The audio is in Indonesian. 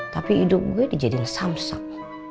tapi hidup gue dijadikan samsak